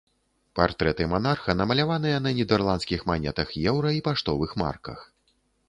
Партрэты манарха намаляваныя на нідэрландскіх манетах еўра і паштовых марках.